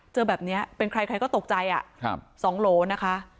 เจอแบบเนี้ยเป็นใครก็ตกใจอะสองโหลนะคะ